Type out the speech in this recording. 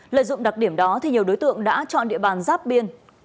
lợi dụng đặc điểm đó nhiều đối tượng đã chọn địa bàn giáp biên